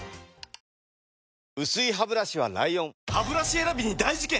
薄いハブラシは ＬＩＯＮハブラシ選びに大事件！